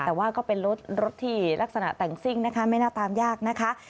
แต่ว่าก็เป็นรถรถที่ลักษณะแต่งซิ่งนะคะไม่น่าตามยากนะคะ